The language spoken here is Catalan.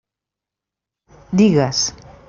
Digues!